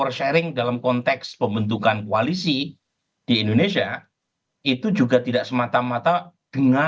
per sharing dalam konteks pembentukan koalisi di indonesia itu juga tidak semata mata dengan